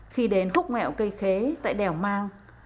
khi đến khúc nghẹo cây khế tại đèo mang